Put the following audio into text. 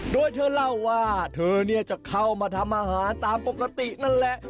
โดยเธอเล่าว่าเธอจะเข้ามาทำอาหารตามปกตินั่นแหละ